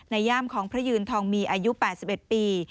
ย่ามของพระยืนทองมีอายุ๘๑ปี